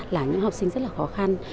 là những học sinh rất là khó khăn